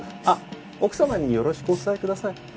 あっ奥様によろしくお伝えください。